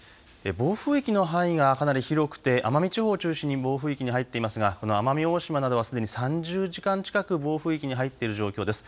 暴風域の範囲がかなり広くて奄美地方を中心に暴風域に入っていますが奄美大島などはすでに３０時間近く暴風域に入っている状況です。